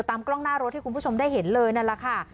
กล้องหน้ารถที่คุณผู้ชมได้เห็นเลยนั่นแหละค่ะ